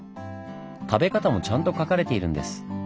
食べ方もちゃんと書かれているんです。